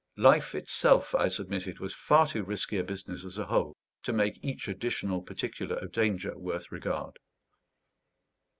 Life itself, I submitted, was a far too risky business as a whole to make each additional particular of danger worth regard.